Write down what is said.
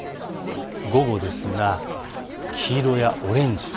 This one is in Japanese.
午後ですが、黄色やオレンジ。